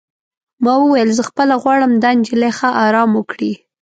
ما وویل: زه خپله غواړم دا نجلۍ ښه ارام وکړي.